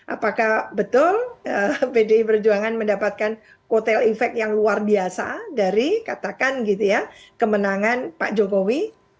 apakah betul pdi perjuangan mendapatkan kotel efek yang luar biasa dari katakan gitu ya kemenangan pak jokowi